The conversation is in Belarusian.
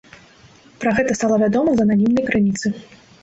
Пра гэта стала вядома з ананімнай крыніцы.